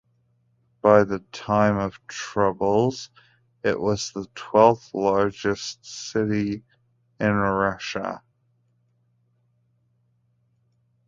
By the Time of Troubles, it was the twelfth largest city in Russia.